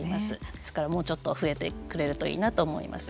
ですから、もうちょっと増えてくれるといいなと思います。